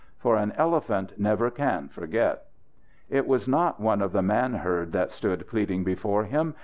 For an elephant never can forget. It was not one of the man herd that stood pleading before him.